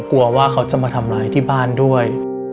กลัวว่าเขาจะมาทำร้ายที่บ้านด้วย